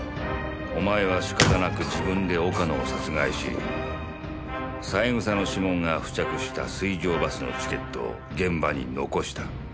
お前は仕方なく自分で岡野を殺害し三枝の指紋が付着した水上バスのチケットを現場に残した。